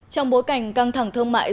trong bối cảnh căng thẳng thương mại